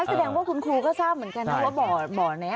แสดงว่าคุณครูก็ทราบเหมือนกันนะว่าบ่อบ่อไหนอ่ะมันลึก